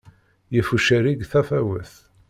Yif ucerrig tafawet.